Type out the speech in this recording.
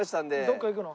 どっか行くの？